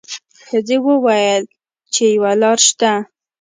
ښځې وویل چې یوه لار شته.